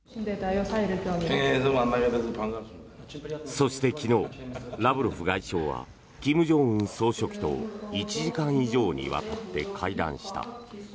そして昨日、ラブロフ外相は金正恩総書記と１時間以上にわたって会談した。